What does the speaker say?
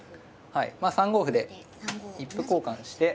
はいまあ３五歩で一歩交換して。